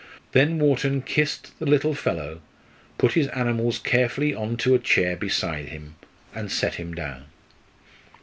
Then Wharton kissed the little fellow, put his animals carefully on to a chair beside him, and set him down.